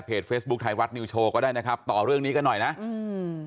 เฟซบุ๊คไทยรัฐนิวโชว์ก็ได้นะครับต่อเรื่องนี้กันหน่อยนะอืม